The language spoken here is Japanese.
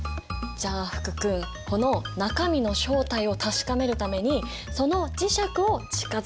じゃあ福君この中身の正体を確かめるためにその磁石を近づけてみて。